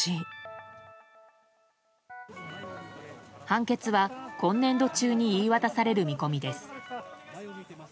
判決は今年度中に言い渡される見込みです。